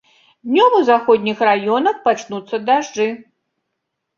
Днём у заходніх раёнах пачнуцца дажджы.